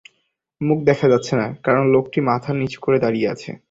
মুখ দেখা যাচ্ছে না, কারণ লোকটি মাথা নিচু করে দাঁড়িয়ে আছে।